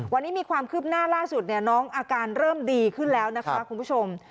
วันนี้มีความคืบหน้าล่าสุดเนี่ยน้องอาการเริ่มดีขึ้นแล้วนะคะคุณผู้ชม